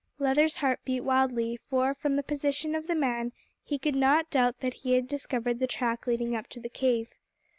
Leather's heart beat wildly, for, from the position of the man, he could not doubt that he had discovered the track leading up to the cave.